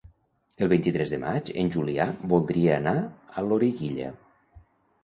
El vint-i-tres de maig en Julià voldria anar a Loriguilla.